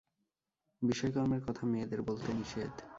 বিষয়কর্মের কথা মেয়েদের বলতে নিষেধ।